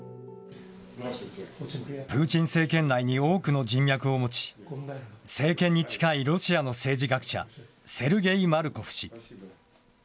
プーチン政権内に多くの人脈を持ち、政権に近いロシアの政治学者、セルゲイ・マルコフ氏。